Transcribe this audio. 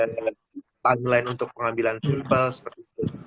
kemudian timeline untuk pengambilan simple seperti itu